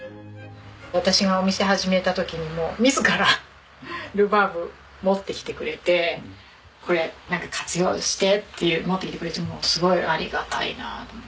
私がお店を始めた時に自らルバーブ持ってきてくれて「これなんか活用して」って持ってきてくれてすごいありがたいなと。